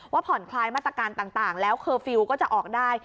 ผ่อนคลายมาตรการต่างแล้วเคอร์ฟิลล์ก็จะออกได้